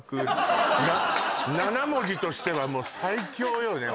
７文字としては最強よね